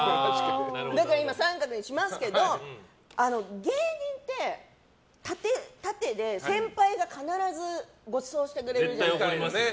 だから△にしますけど芸人って、縦で先輩が必ずごちそうしてくれるじゃないですか。